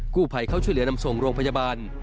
ผู้ภัยเข้าช่วยเหลือนำส่งโรงพยาบาล